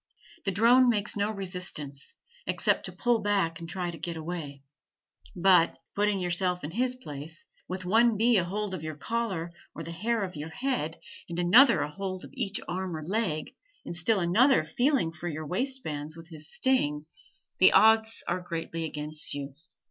The drone makes no resistance, except to pull back and try to get away; but (putting yourself in his place) with one bee a hold of your collar or the hair of your head, and another a hold of each arm or leg, and still another feeling for your waistbands with his sting, the odds are greatly against you.